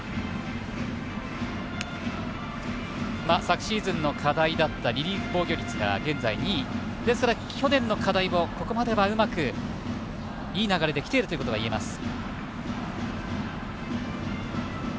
昨シーズンは課題だったリリーフ防御率は現在２位ですから去年の課題をここまではうまくいい流れできているということがいえます。